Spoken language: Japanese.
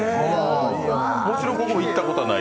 もちろんここは行ったことはない？